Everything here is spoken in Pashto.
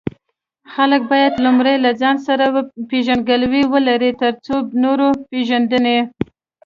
خلک باید لومړی له ځان سره پیژندګلوي ولري، ترڅو نور پیژني.